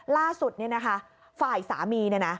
ล่าสุดเนี่ยนะคะฝ่ายสามีเนี่ยนะ